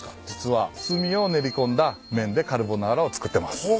実は炭を練り込んだ麺でカルボナーラを作ってます。